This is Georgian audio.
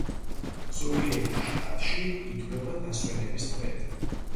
ზოგიერთ შტატში ითვლება დასვენების დღედ.